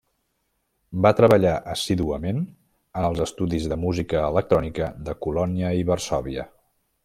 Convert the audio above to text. Va treballar assíduament en els estudis de música electrònica de Colònia i Varsòvia.